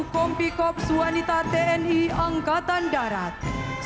kompi kops wanita tni angkatan darat